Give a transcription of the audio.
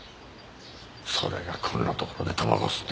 それがこんなところでタバコ吸って。